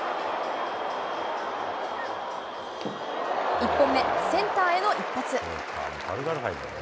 １本目、センターへの一発。